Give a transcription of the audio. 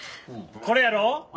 これやろ？